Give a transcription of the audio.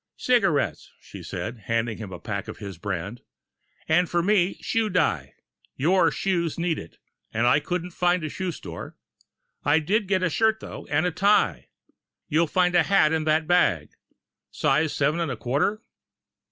"Cigarettes," she said, handing him a pack of his brand. "And for me. Shoe dye your shoes need it, and I couldn't find a shoe store. I did get a shirt though, and a tie. You'll find a hat in that bag. Size seven and a quarter?"